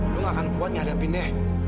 lo gak akan kuat ngadepinnya